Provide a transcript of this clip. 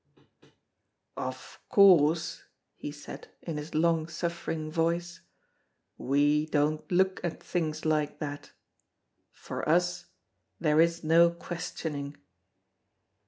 "Of course," he said, in his long suffering voice, "we don't look at things like that—for us there is no questioning."